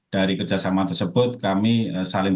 dari kerjasama tersebut kami saling